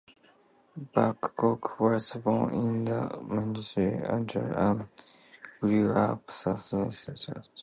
Babcock was born in Manitouwadge, Ontario and grew up in Saskatoon, Saskatchewan.